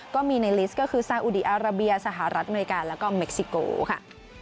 ก็มีในลิสต์ก็คือซาอุดีอาราเบียสหรัฐอเมริกาแล้วก็เม็กซิโกค่ะ